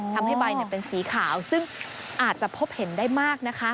ทำให้ใบเป็นสีขาวซึ่งอาจจะพบเห็นได้มากนะคะ